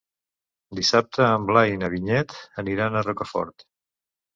Dissabte en Blai i na Vinyet aniran a Rocafort.